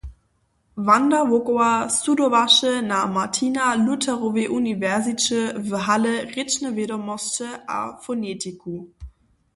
Wanda Wokowa studowaše na Martina Lutherowej uniwersiće w Halle rěčne wědomosće a fonetiku.